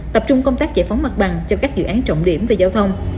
tập trung công tác giải phóng mặt bằng cho các dự án trọng điểm về giao thông